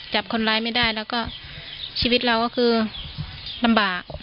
จับคนร้ายไม่ได้แล้วก็ชีวิตเราก็คือลำบาก